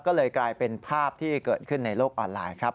ก็เลยกลายเป็นภาพที่เกิดขึ้นในโลกออนไลน์ครับ